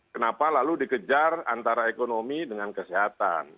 kenapa lalu dikejar antara ekonomi dengan kesehatan